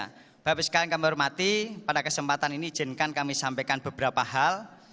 bapak ibu sekalian kami hormati pada kesempatan ini izinkan kami sampaikan beberapa hal